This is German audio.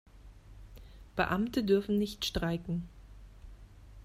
Beamte dürfen nicht streiken.